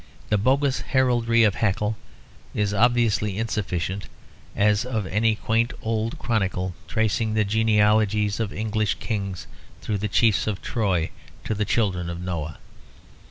The bogus heraldry of Haeckel is as obviously insufficient as any quaint old chronicle tracing the genealogies of English kings through the chiefs of Troy to the children of Noah.